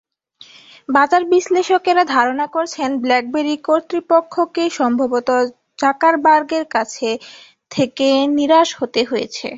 বাজার বিশ্লেষকেরা ধারণা করছেন, ব্ল্যাকবেরি কর্তৃপক্ষকে সম্ভবত জাকারবার্গের কাছ থেকে নিরাশ হতে হয়েছে।